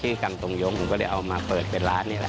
ที่กำตกยกผมก็เลยเอามาเปิดเป็นร้านนี้แล้ว